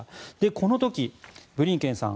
この時、ブリンケンさん